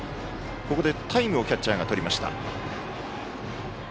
ここでタイムをキャッチャーがとりました。